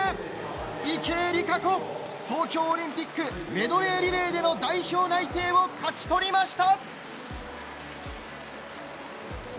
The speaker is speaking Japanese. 池江璃花子、東京オリンピックメドレーリレーでの代表内定を勝ち取りました！